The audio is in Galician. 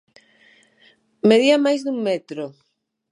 Medía máis dun metro.